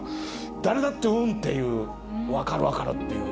誰だって「うん」っていう「分かる分かる」っていう。